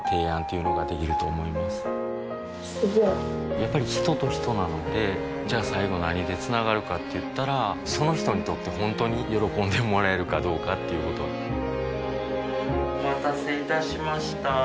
やっぱり人と人なのでじゃあ最後何でつながるかって言ったらその人にとって本当に喜んでもらえるかどうかっていうことお待たせいたしました。